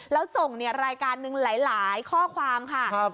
แล้วส่งรายการหนึ่งหลายข้อความค่ะ